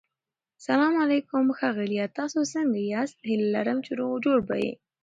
سلام علیکم ښاغلیه تاسو سنګه یاست هيله لرم چی روغ او جوړ به يي